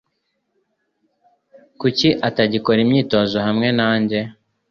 Kuki atagikora imyitozo hamwe nanjye?